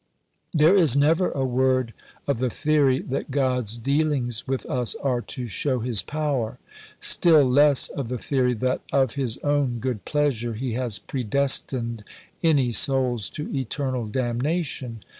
There is never a word of the theory that God's dealings with us are to show His "power"; still less of the theory that "of His own good pleasure" He has "predestined" any souls to eternal damnation.